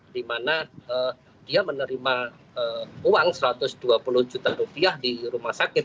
di mana dia menerima uang satu ratus dua puluh juta rupiah di rumah sakit